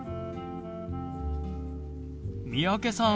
三宅さん